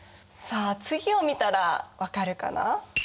さあ次を見たら分かるかな？